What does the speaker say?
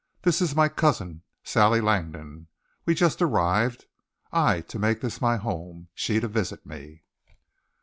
"This is my cousin, Sally Langdon. We just arrived I to make this my home, she to visit me."